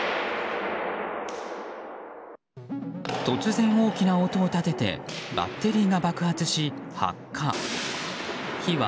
突然、大きな音を立ててバッテリーが爆発し、発火。